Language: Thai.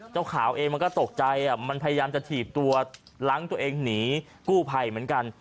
เจ้าขาวเองมันก็ตกใจมันพยายามจะถีบตัวล้างตัวเองหนีกู้ภัยเหมือนกัน